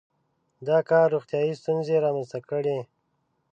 • دا کار روغتیايي ستونزې رامنځته کړې.